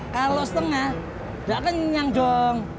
kalau setengah udah kenyang dong